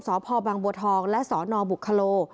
สพบังบัวทองและสนบุคโล